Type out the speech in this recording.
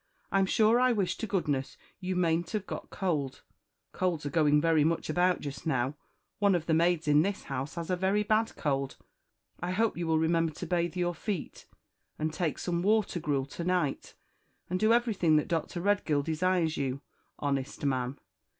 I'm sure I wish to goodness, you mayn't have got cold colds are going very much about just now one of the maids in this house has a very bad cold I hope you will remember to bathe your feet And take some water gruel to night, and do everything that Dr. Redgill desires you, honest man!"